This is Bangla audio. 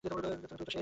আর তুই তো শেষ!